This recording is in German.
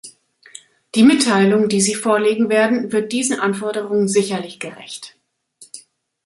Die Mitteilung, die Sie vorlegen werden, wird diesen Anforderungen sicherlich gerecht.